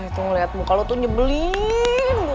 lalu itu melihat muka lo tuh nyebelin banget